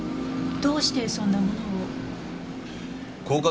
どうしてそんなものを？